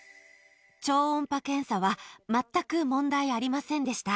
超音波検査は全く問題ありませんでした。